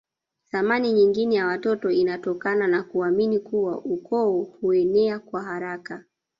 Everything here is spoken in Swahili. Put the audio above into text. Thamani nyingine ya watoto inatokana na kuamini kuwa ukoo huenea kwa haraka